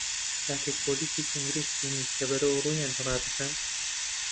کاتێک پۆلیسێکی کۆنگرێسی بینی کە بەرەو ڕوویان ڕادەکات